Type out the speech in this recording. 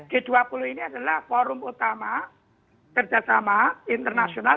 g dua puluh ini adalah forum utama kerjasama internasional